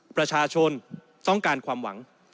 ประชาชนต้องการความหวัง